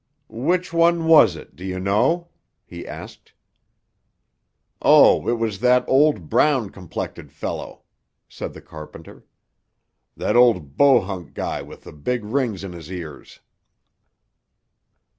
"Which one was it, do you know?" he asked. "Oh, it was that old brown complected fellow," said the carpenter. "That old Bohunk guy with the big rings in his ears."